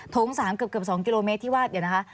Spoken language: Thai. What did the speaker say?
โถง๓เกือบ๒กิโลเมตรที่ว่าเดี๋ยวนะคะ